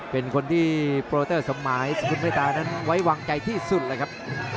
เป็นคนที่โปรเตอร์สมหมายสกุลเมตตานั้นไว้วางใจที่สุดเลยครับ